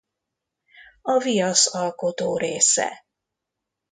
A viasz alkotórésze.